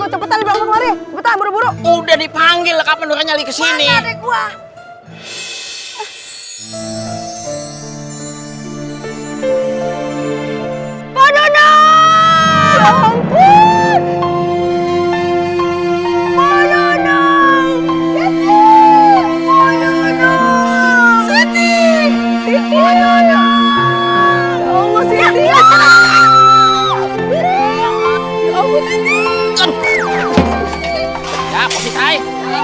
udah dipanggil kapan udah nyali kesini